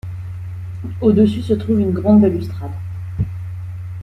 Au dessus se trouve une grande balustrade.